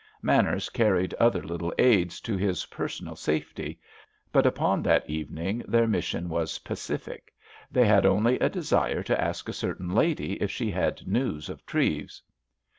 Manners carried other little aids to his personal safety. But upon that evening their mission was pacific. They had only a desire to ask a certain lady if she had news of Treves.